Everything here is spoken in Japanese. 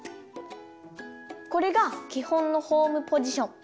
これがきほんのホームポジション。